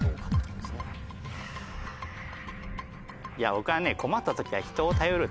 僕はね。